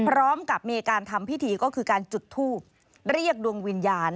พร้อมกับมีการทำพิธีก็คือการจุดทูบเรียกดวงวิญญาณ